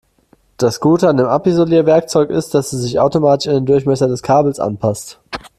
Das Gute an dem Abisolierwerkzeug ist, dass es sich automatisch an den Durchmesser des Kabels anpasst.